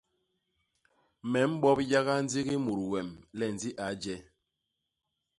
Me mbop yaga ndigi mut wem le ndi a je.